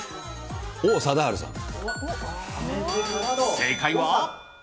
正解は。